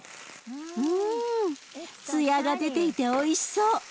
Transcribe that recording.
うん艶が出ていておいしそう。